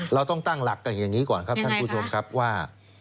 เราต้องตั้งหลักกันอย่างนี้ก่อนครับท่านผู้ชมครับว่า